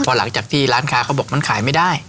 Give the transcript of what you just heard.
พอหลังจากที่ร้านค้าเขาบอกมันขายไม่ได้